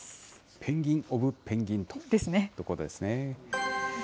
ペンギン・オブ・ペンギンということですね。